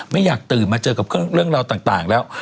ไม่อยากตื่นมาเจอกับเรื่องราวต่างแล้ว